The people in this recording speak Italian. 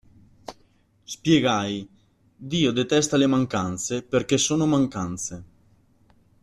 Spiegai: Dio detesta le mancanze, perché sono mancanze.